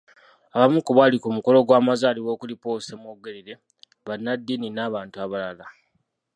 Abamu ku baali ku mukolo gw'amazaalibwa okuli; Paul Ssemwogere, Bannaddiini n'abantu abalala.